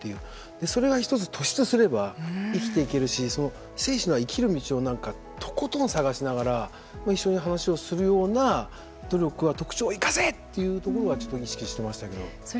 それが１つ突出すれば生きていけるし選手が生きる道をとことん探しながら一緒に話をするような努力は特徴を生かせというところは意識していましたけど。